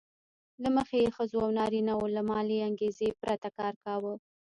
له مخې یې ښځو او نارینه وو له مالي انګېزې پرته کار کاوه